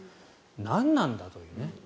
何なんだというね。